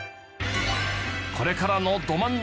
これからのど真ん中はどこ？